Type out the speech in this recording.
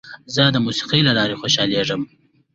زه د موسیقۍ له لارې خوشحالېږم.